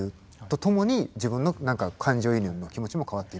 とともに自分の感情移入の気持ちも変わっていくっていう。